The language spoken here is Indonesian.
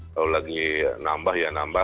kalau lagi nambah ya nambah